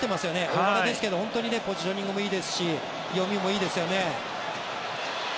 大柄ですけどポジショニングもいいですし読みもいいですよね。